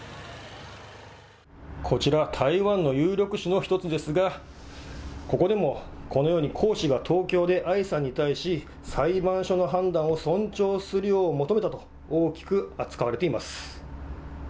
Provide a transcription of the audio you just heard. こちら、台湾の有力紙の１つですが、ここでも、このように江氏が東京で愛さんに対し、裁判所の判断を尊重するよう求めたと、大きく扱われています。